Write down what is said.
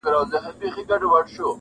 څه د خانانو، عزیزانو څه دربار مېلمانه؛